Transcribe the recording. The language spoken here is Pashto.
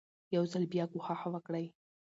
يو ځل بيا کوښښ وکړئ